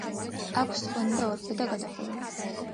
აქვს სხვენი და ორფერდა გადახურვა.